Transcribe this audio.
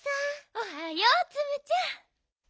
おはようツムちゃん。